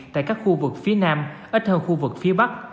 tại các khu vực phía nam ít hơn khu vực phía bắc